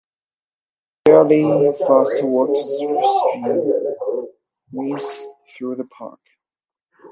A fairly fast water stream runs through the park.